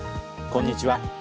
こんにちは。